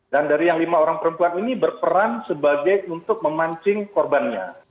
dan dari yang lima orang perempuan ini berperan sebagai untuk memancing korbannya